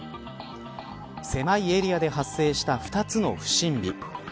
狭いエリアで発生した２つの不審火。